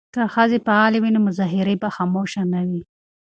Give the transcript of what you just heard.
که ښځې فعالې وي نو مظاهرې به خاموشه نه وي.